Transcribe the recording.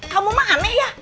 kamu mah aneh ya